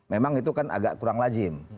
memang itu kan agak kurang lazim